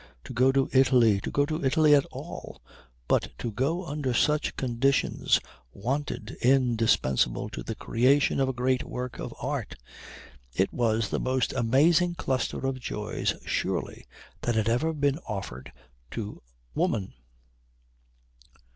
To go to Italy; to go to Italy at all; but to go under such conditions, wanted, indispensable to the creation of a great work of art; it was the most amazing cluster of joys surely that had ever been offered to woman.